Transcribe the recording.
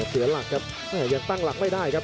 เสียหลักครับยังตั้งหลักไม่ได้ครับ